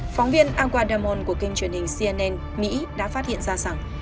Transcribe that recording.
phóng viên agua damon của kênh truyền hình cnn mỹ đã phát hiện ra rằng